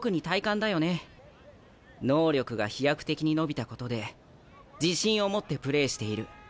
能力が飛躍的に伸びたことで自信を持ってプレーしている。